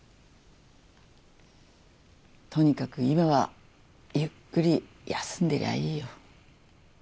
とにかく今はゆっくり休んでりゃいいよ。